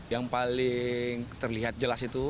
yang paling terlihat jelas itu